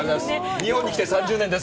日本に来て３０年です。